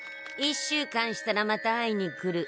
１週間したらまた会いに来る。